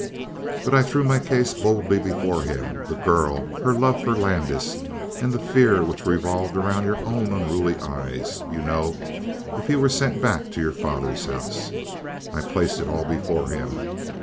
"But I threw my case bodily before him the girl her love for Landis and the fear which revolved around your own unruly eyes, you know, if he were sent back to your father's house. I placed it all before him.